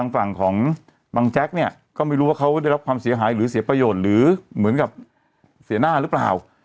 ฝั่งของบังแจ๊กเนี่ยก็ไม่รู้ว่าเขาได้รับความเสียหายหรือเสียประโยชน์หรือเหมือนกับเสียหน้าหรือเปล่า